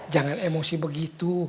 jangan emosi begitu